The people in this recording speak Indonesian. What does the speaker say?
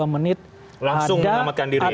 dua menit langsung melamatkan diri ya